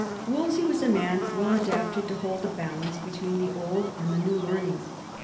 Wolsey was a man well adapted to hold the balance between the old and the new learning.